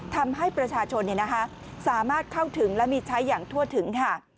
ทำให้ประชาชนสามารถเข้าถึงและมีใช้อย่างทั่วถึงค่ะ